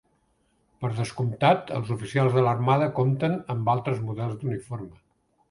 Per descomptat, els oficials de l'Armada compten amb altres models d'uniforme.